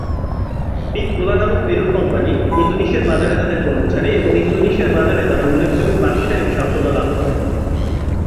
Big Cola নামক পেরুর company, ইন্দোনেশিয়ার বাজারে তাদের পণ্য ছাড়ে এবং ইন্দোনেশিয়ার বাজারে তারা উল্লেখযোগ্য ব্যবসায়িক সাফল্য লাভ করে।